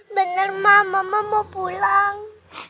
bener mama mama mau pulang